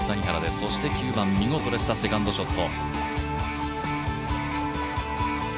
そして９番、見事でしたセカンドショット。